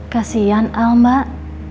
kasian al mbak